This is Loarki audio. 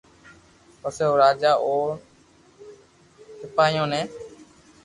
پسي او راجا اي او سپايو ني